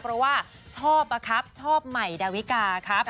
เพราะว่าชอบอะครับชอบใหม่ดาวิกาครับ